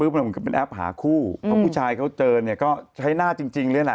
คือจะเป็นแอปหาคู่และผู้ชายเจอเนี่ยก็ใช้หน้าจริง